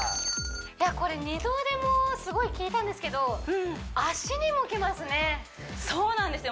いやこれ二の腕もすごいきいたんですけど足にもきますねそうなんですよ